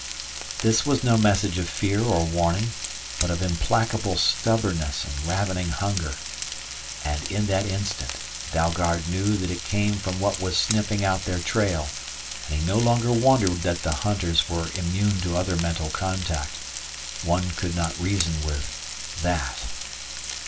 This was no message of fear or warning, but of implacable stubbornness and ravening hunger. And in that instant Dalgard knew that it came from what was sniffing out their trail, and he no longer wondered that the hunters were immune to other mental contact. One could not reason with that!